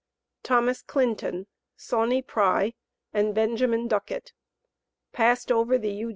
THOMAS CLINTON, SAUNEY PRY AND BENJAMIN DUCKET. PASSED OVER THE U.